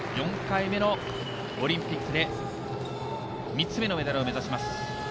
４回目のオリンピックで３つ目のメダルを目指します。